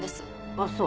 あっそう。